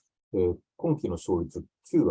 今期の勝率９割。